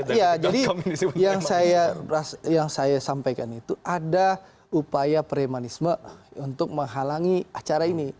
iya jadi yang saya sampaikan itu ada upaya premanisme untuk menghalangi acara ini